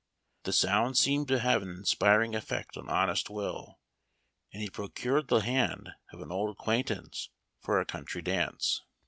The sound seemed to have an inspiring effect on honest Will, and he procured the hand of an old acquaintance for a country dance.